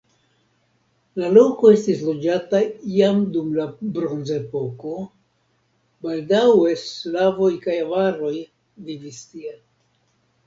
La loko estis loĝata jam dum la bronzepoko, baldaŭe slavoj kaj avaroj vivis tie.